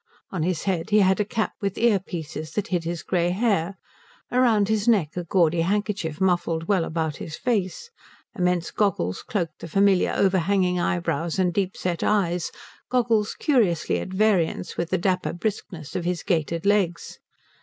On his head he had a cap with ear pieces that hid his grey hair; round his neck a gaudy handkerchief muffled well about his face; immense goggles cloaked the familiar overhanging eyebrows and deep set eyes, goggles curiously at variance with the dapper briskness of his gaitered legs.